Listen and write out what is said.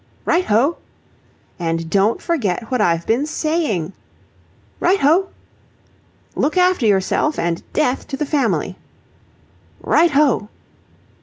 "Right ho!" "And don't forget what I've been saying." "Right ho!" "Look after yourself and 'Death to the Family!'" "Right ho!"